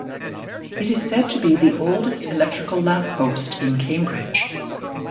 It is said be the oldest electrical lamppost in Cambridge.